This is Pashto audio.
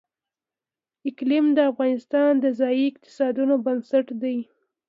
اقلیم د افغانستان د ځایي اقتصادونو بنسټ دی.